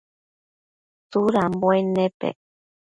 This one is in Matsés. Tsudambuen nepec ?